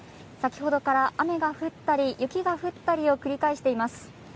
先ほどから雨が降ったり雪が降ったりを繰り返しています。